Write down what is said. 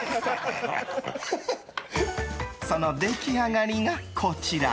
その出来上がりが、こちら。